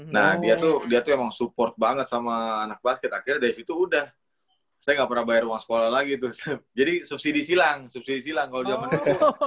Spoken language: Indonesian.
nah dia tuh dia tuh emang support banget sama anak basket akhirnya dari situ udah saya gak pernah bayar uang sekolah lagi tuh jadi subsidi silang subsidi silang kalau zaman itu